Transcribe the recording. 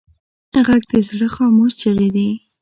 غږ د زړه خاموش چیغې دي